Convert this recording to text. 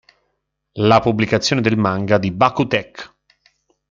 La pubblicazione del manga di "Baku Tech!